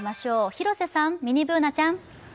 広瀬さん、ミニＢｏｏｎａちゃん。